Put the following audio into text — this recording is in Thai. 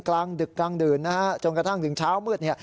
กลางดึกกลางดื่นจนกระทั่งถึงเช้ามืด